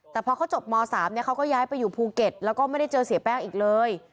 แต่พอเขาจบม๓เขาก็ย้ายไปอยู่ภูเก็ตแล้วก็ไม่ได้เจอเสียแป้งอีกเลย